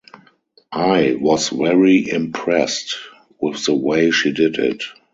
I was very impressed with the way she did it.